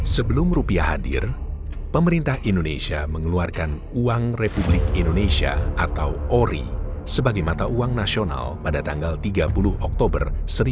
sebelum rupiah hadir pemerintah indonesia mengeluarkan uang republik indonesia atau ori sebagai mata uang nasional pada tanggal tiga puluh oktober seribu sembilan ratus empat puluh lima